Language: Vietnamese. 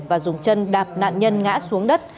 và dùng chân đạp nạn nhân ngã xuống đất